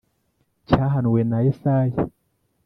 Cyahanuwe na Yesaya